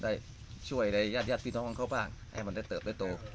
ได้ช่วยในญาติพี่น้องของเขาบ้างให้มันได้เติบได้โต